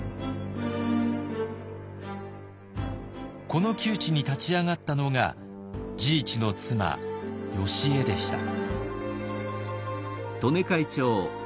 この窮地に立ち上がったのが治一の妻よしえでした。